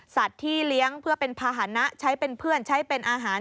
ที่เลี้ยงเพื่อเป็นภาษณะใช้เป็นเพื่อนใช้เป็นอาหาร